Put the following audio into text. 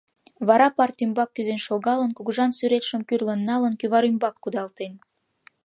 Вара парт ӱмбак кӱзен шогалын, кугыжан сӱретшым кӱрлын налын, кӱвар ӱмбак кудалтен.